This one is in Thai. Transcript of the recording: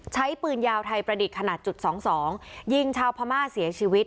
ใช้ปืนยาวไทยประดิษฐ์ขนาดจุดสองสองยิงชาวพม่าเสียชีวิต